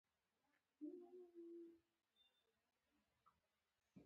د بېدیا رېګون راوالوتل.